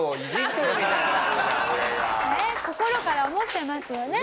心から思ってますよね。